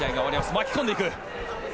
巻き込んでいく。